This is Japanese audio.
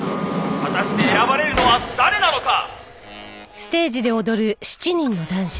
「果たして選ばれるのは誰なのか！？」